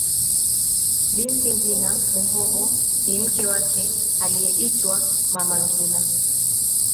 Bibi Ngina Muhoho ni mke wake aliyeitwa Mama Ngina